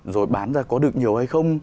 rồi bán ra có được nhiều hay không